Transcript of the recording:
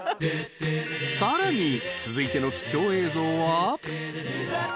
［さらに続いての貴重映像は？］